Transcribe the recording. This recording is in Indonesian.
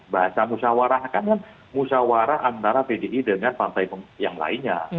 bahasa musawarakan kan musawara antara pdi dengan pantai yang lainnya